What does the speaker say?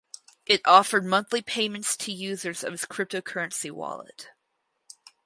It offered monthly payments to users of its cryptocurrency wallet.